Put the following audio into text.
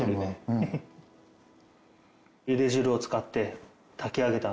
ゆで汁を使って炊き上げたんで。